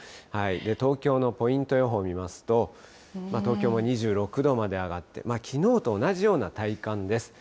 東京のポイント予報見ますと、東京も２６度まで上がって、きのうと同じような体感です。